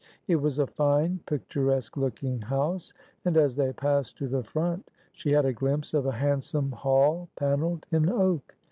It was a fine, picturesque looking house, and as they passed to the front, she had a glimpse of a handsome hall panelled in oak.